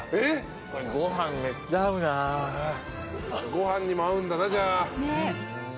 ご飯にも合うんだなじゃあ。